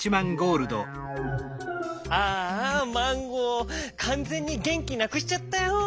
ああマンゴーかんぜんにげんきなくしちゃったよ。